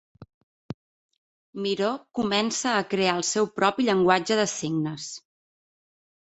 Miró comença a crear el seu propi llenguatge de signes.